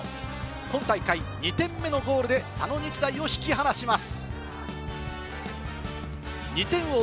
今大会２点目のゴールで佐野日大を引き離します。